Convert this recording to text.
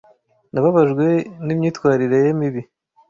Nababajwe n'imyitwarire ye mibi.